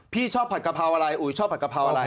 พี่ชอบผัดกะเพราอะไรอุ๋ยชอบผัดกะเพราอะไร